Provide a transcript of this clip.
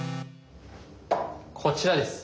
こちらです。